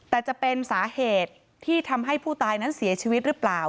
แต่จะเป็นสาเหตุที่ทำให้ผู้ตายนั้นเสียชีวิตหรือเปล่า